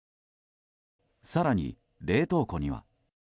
更に、冷凍庫には。